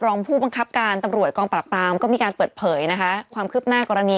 รองผู้บังคับการตำรวจกองปราบปรามก็มีการเปิดเผยนะคะความคืบหน้ากรณี